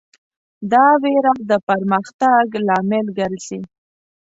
دا وېره د پرمختګ لامل ګرځي.